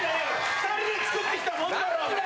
２人で作ってきたもんだろうが！